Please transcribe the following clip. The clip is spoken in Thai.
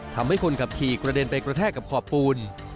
ทำให้คนขับขี่กระเด็นไปกระแทกกับขอบปูน